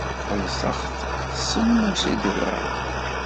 Xellṣeɣ-t semmus n yidulaṛen.